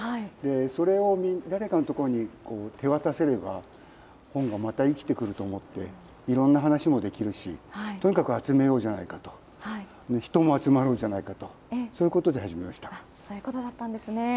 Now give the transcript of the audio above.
それを誰かの所に手渡せれば、本がまた生きてくると思って、いろんな話もできるし、とにかく集めようじゃないかと、人も集まろうじゃないかと、そういうことで始そういうことだったんですね。